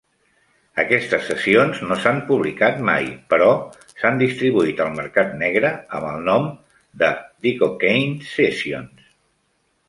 Aquestes sessions no s'han publicat mai, però s'han distribuït al mercat negre amb el nom de "The Cocaine Sessions".